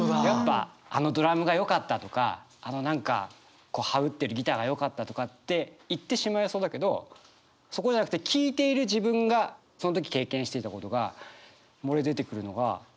やっぱあのドラムがよかったとかあの何かハウってるギターがよかったとかって言ってしまいそうだけどそこじゃなくて聴いている自分がその時経験していたことが漏れ出てくるのが。